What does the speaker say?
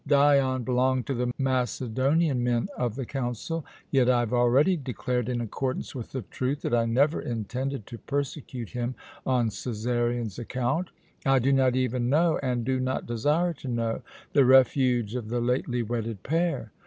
Dion belonged to the Macedonian men of the Council; yet I have already declared, in accordance with the truth, that I never intended to persecute him on Cæsarion's account. I do not even know and do not desire to know the refuge of the lately wedded pair.